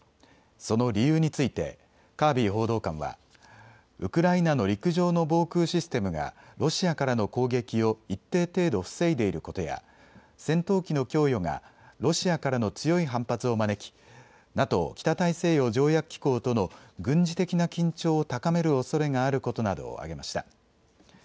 その理由についてカービー報道官は、ウクライナの陸上の防空システムがロシアからの攻撃を一定程度防いでいることや戦闘機の供与がロシアからの強い反発を招きＮＡＴＯ・北大西洋条約機構との軍事的な緊張を高めるおそれがあることなどを挙げました。